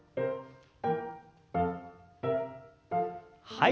はい。